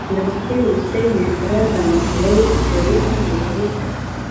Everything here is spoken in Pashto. د مقطع وروستۍ مصرع له مطلع دویمې مصرع سره.